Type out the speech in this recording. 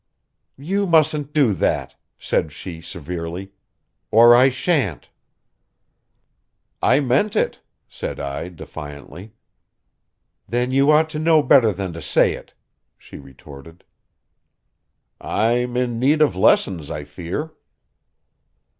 "You mustn't do that," said she severely, "or I shan't." "I meant it," said I defiantly. "Then you ought to know better than to say it," she retorted. "I'm in need of lessons, I fear."